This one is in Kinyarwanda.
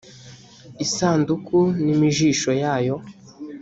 isanduku n imijisho yayo